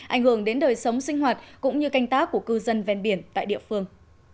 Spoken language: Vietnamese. ảnh hưởng đến đời sống sinh hoạt cũng như canh tác của cư dân ven biển tại địa phương